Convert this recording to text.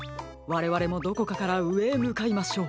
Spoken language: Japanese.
われわれもどこかからうえへむかいましょう。